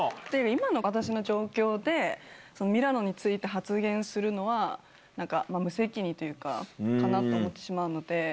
今の私の状況で、ミラノについて発言するのは、なんか、無責任というか、かなと思ってしまうので。